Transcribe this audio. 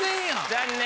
残念！